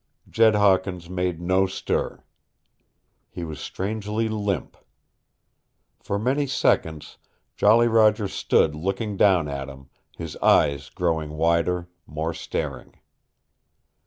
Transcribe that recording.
Jed Hawkins made no stir. He was strangely limp. For many seconds Jolly Roger stood looking down at him, his eyes growing wider, more staring.